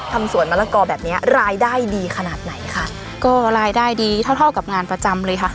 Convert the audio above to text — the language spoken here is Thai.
สวนมะละกอแบบเนี้ยรายได้ดีขนาดไหนคะก็รายได้ดีเท่าเท่ากับงานประจำเลยค่ะ